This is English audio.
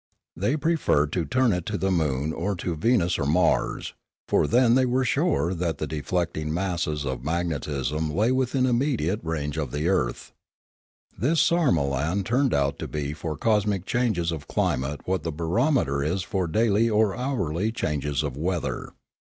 They preferred to turn it to the moon or to Venus or Mars; for then they were sure that the de flecting masses of magnetism lay within immediate range of the earth. This sarmolan turned out to be for cosmic changes of climate what the barometer is for daily or hourly changes of weather.